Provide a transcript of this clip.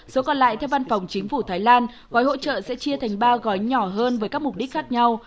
số còn lại theo văn phòng chính phủ thái lan gói hỗ trợ sẽ chia thành ba gói nhỏ hơn với các mục đích khác nhau